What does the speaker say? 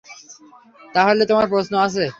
তাহলে তোমার প্রশ্ন আছে?